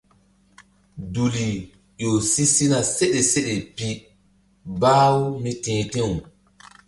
Duli ƴo si sina seɗe seɗe pi bah-u mí ti̧h ti̧w.